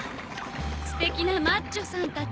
すてきなマッチョさんたち。